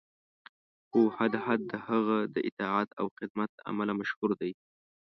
خو هدهد د هغه د اطاعت او خدمت له امله مشهور دی.